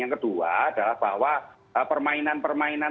yang kedua adalah bahwa permainan permainan